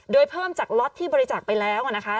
โดยเพิ่มจากล็อตที่บริจาคไปแล้วนะคะ